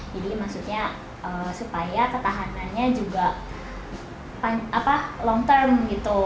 jadi maksudnya supaya ketahanannya juga long term gitu